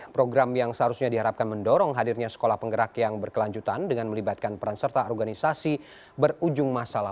program yang seharusnya diharapkan mendorong hadirnya sekolah penggerak yang berkelanjutan dengan melibatkan peran serta organisasi berujung masalah